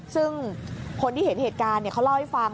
ซึ่งคนที่เห็นเหตุการณ์เขาเล่าให้ฟัง